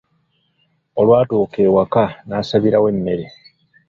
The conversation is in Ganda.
Olwatuuka ewaka n'asabirawo emmere.